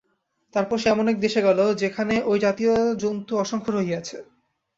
তারপর সে এমন এক দেশে গেল, যেখানে ঐ জাতীয় জন্তু অসংখ্য রহিয়াছে।